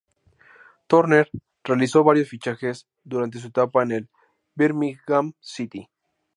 Turner realizó varios fichajes durante su etapa en el Birmingham City.